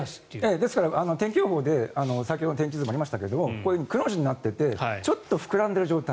ですから天気予報で先ほどの天気図もありましたが「く」の字になっていてちょっと膨らんでいる状態